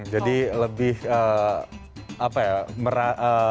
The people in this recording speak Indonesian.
jadi lebih apa ya